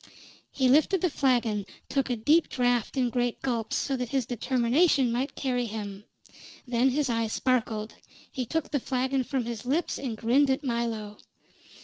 He lifted the flagon, took a deep draft in great gulps, so that his determination might carry him; then his eye sparkled, he took the flagon from his lips, and grinned at Milo.